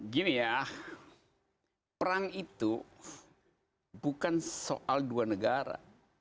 gini ya perang itu bukan soal dua negara